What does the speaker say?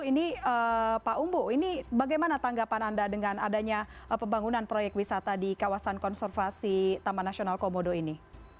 ini pak umbu ini bagaimana tanggapan anda dengan adanya pembangunan proyek wisata di kawasan konservasi taman nasional komodo ini